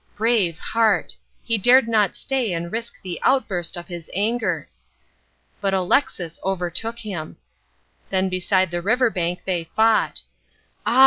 Brave heart! he dared not stay and risk the outburst of his anger. But Alexis overtook him. Then beside the river bank they fought. Ah!